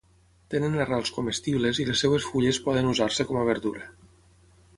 Tenen arrels comestibles i les seves fulles poden usar-se com a verdura.